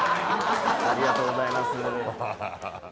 ありがとうございます。